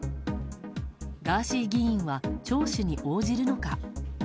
ガーシー議員は聴取に応じるのか。